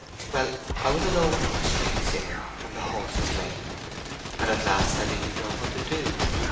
Well, I was alone in a strange city, and the horse was lame. And at last I didn't know what to do.